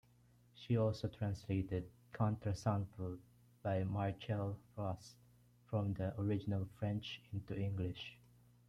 She also translated "Contre Saint-Beuve" by Marcel Proust from the original French into English.